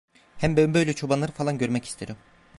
Hem ben böyle çobanları falan görmek isterim.